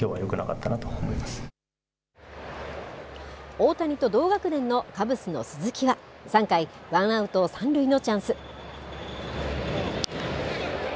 大谷と同学年のカブスの鈴木は３回ワンアウト三塁のチャンス。